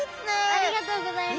ありがとうございます。